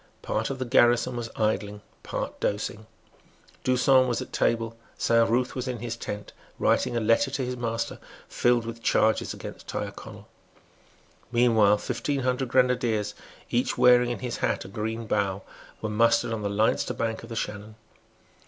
Part of the garrison was idling, part dosing. D'Usson was at table. Saint Ruth was in his tent, writing a letter to his master filled with charges against Tyrconnel. Meanwhile, fifteen hundred grenadiers; each wearing in his hat a green bough, were mustered on the Leinster bank of the Shannon.